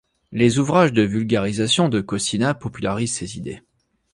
Les ouvrages de vulgarisation de Kossinna popularisent ses idées.